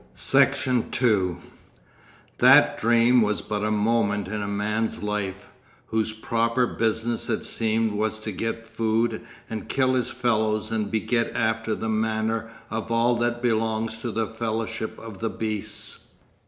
Section 2 That dream was but a moment in a man's life, whose proper business it seemed was to get food and kill his fellows and beget after the manner of all that belongs to the fellowship of the beasts.